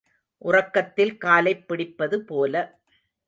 உறக்கத்தில் காலைப் பிடிப்பது போல.